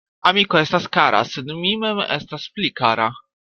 Amiko estas kara, sed mi mem estas pli kara.